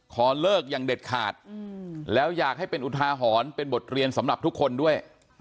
ขอเลิกอย่างเด็ดขาดแล้วอยากให้เป็นอุทาหรณ์เป็นบทเรียนสำหรับทุกคนด้วย